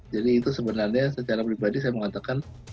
jadi itu sebenarnya secara pribadi saya mengatakan